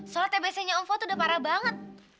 soalnya tbc nya om fuad tuh udah parah banget